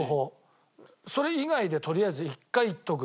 それ以外でとりあえず１回いっとく。